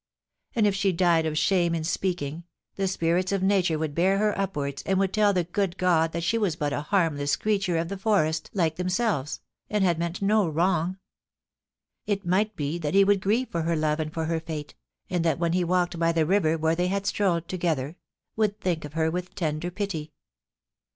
... And if she died of shame in speaking, the spirits of nature would bear her upwards, and would tell the good God that she was but a harmless creature of the forest like themselves, and had meant no wrong. ... It might be that he would grieve for her love and for her fate, and that when he walked by the river where they had strolled to gether, would think of her with tender pity.